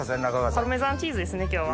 パルメザンチーズですね今日は。